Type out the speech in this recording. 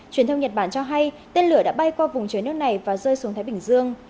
truyền thông nhật bản cho hay tên lửa đã bay qua vùng trời nước này và rơi xuống thái bình dương